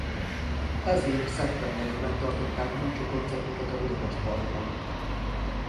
Ez év szeptemberében tartották búcsúkoncertjüket a Budapest Parkban.